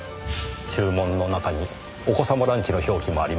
注文の中にお子様ランチの表記もありました。